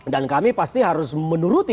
dan kami pasti harus menjaga